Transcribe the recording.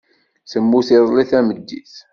Temmut iḍelli tameddit.